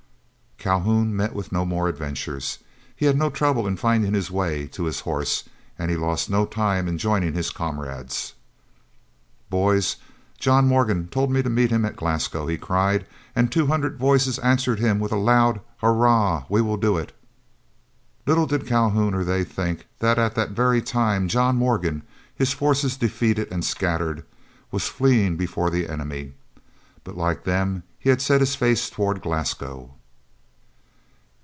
Calhoun met with no more adventures. He had no trouble in finding his way to his horse, and he lost no time in joining his comrades. "Boys, John Morgan told me to meet him at Glasgow," he cried, and two hundred voices answered with a loud "Hurrah! we will do it!" Little did Calhoun or they think that at that very time John Morgan, his forces defeated and scattered, was fleeing before the enemy. But like them, he had set his face toward Glasgow.